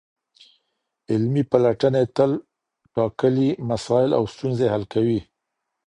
علمي پلټني تل ټاکلي مسایل او ستونزي حل کوي.